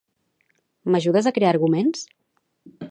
M'ajudes a crear arguments?